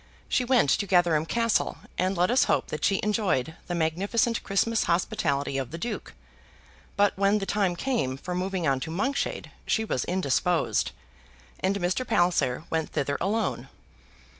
She went to Gatherum Castle, and let us hope that she enjoyed the magnificent Christmas hospitality of the Duke; but when the time came for moving on to Monkshade, she was indisposed, and Mr. Palliser went thither alone.